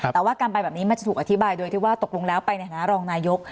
แต่ว่าการไปแบบนี้มันจะถูกอธิบายโดยที่ว่าตกลงแล้วไปในฐานะรองนายก